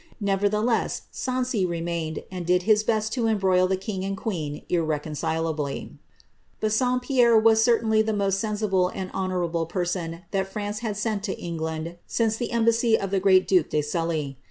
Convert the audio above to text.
Never theless, Sancy remained, and did his best to embroil the king and queen irrecoDcilably. Bassompierre was certainly the most sensible and honourable person that France had sent to England since the embassy of the great duke de Sully.